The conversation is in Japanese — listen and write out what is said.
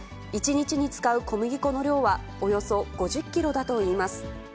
１日に使う小麦粉の量は、およそ５０キロだといいます。